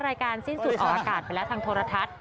รายการสิ้นสุดออกอากาศไปแล้วทางโทรทัศน์